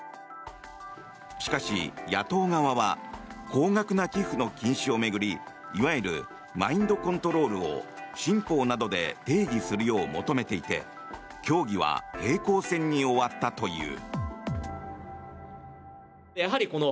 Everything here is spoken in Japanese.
しかし、野党側は高額な寄付の禁止を巡りいわゆるマインドコントロールを新法などで定義するよう求めていて協議は平行線に終わったという。